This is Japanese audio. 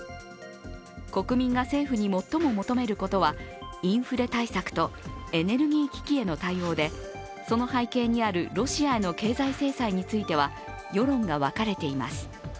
国民が政府に最も求めることはインフレ対策とエネルギー危機への対応で、その背景にあるロシアへの経済制裁については世論が分かれています。